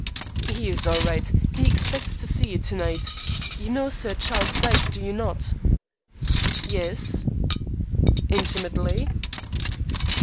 "He is all right. He expects to see you to night. You know Sir Charles Dyke, do you not?" "Yes." "Intimately?"